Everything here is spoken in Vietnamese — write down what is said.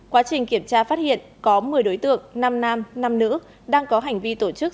quá trình kiểm tra phát hiện có một mươi đối tượng năm nam năm nữ đang có hành vi tổ chức